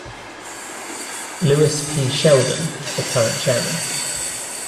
Louis P. Sheldon, the current chairman.